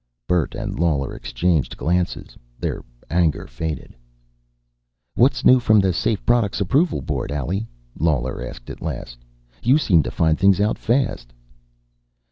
Bert and Lawler exchanged glances. Their anger faded. "What's new from the Safe Products Approval Board, Allie?" Lawler asked at last. "You seem to find things out fast."